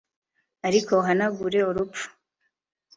ariko uhanagure urupfu